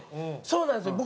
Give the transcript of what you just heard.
そうなんですよ